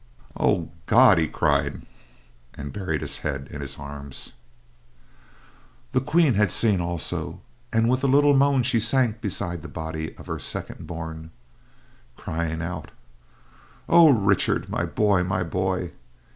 "Oh God!" he cried, and buried his head in his arms. The Queen had seen also, and with a little moan she sank beside the body of her second born, crying out: "Oh Richard, my boy, my boy!"